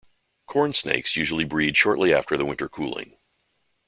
Corn snakes usually breed shortly after the winter cooling.